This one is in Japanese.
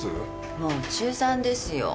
もう中３ですよ。